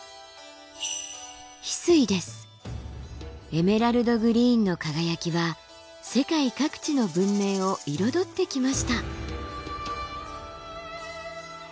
エメラルドグリーンの輝きは世界各地の文明を彩ってきました。